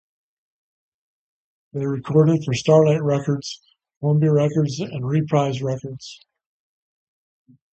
They recorded for Starlite Records, Columbia Records and Reprise Records.